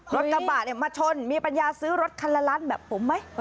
รถกระบะเนี่ยมาชนมีปัญญาซื้อรถคันละล้านแบบผมไหม